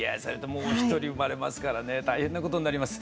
もう一人生まれますからね大変なことになります。